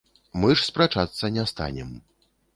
Мы ж спрачацца не станем.